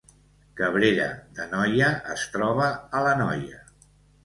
Cabrera d’Anoia es troba a l’Anoia